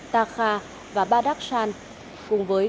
tại buenos aires là phương tiện giao thông chủ đạo của người dân